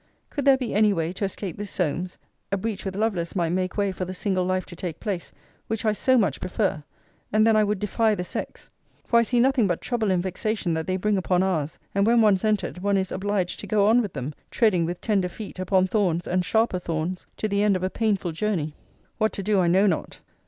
Could there be any way to escape this Solmes, a breach with Lovelace might make way for the single life to take place, which I so much prefer: and then I would defy the sex. For I see nothing but trouble and vexation that they bring upon ours: and when once entered, one is obliged to go on with them, treading, with tender feet, upon thorns, and sharper thorns, to the end of a painful journey. What to do I know not.